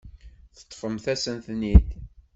Teṭṭfemt-asen-ten-id.